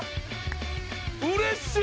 うれしい！